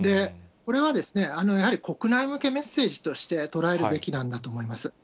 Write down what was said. これは、やはり国内向けメッセージとして捉えるべきなんだと思います。